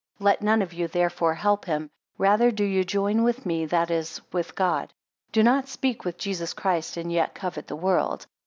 Let none of you therefore help him; rather do ye join with me, that is, with God. 2 Do not speak with Jesus Christ, and yet covet the world.